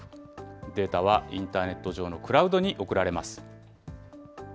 データはインターネット上のクラウドに送られます。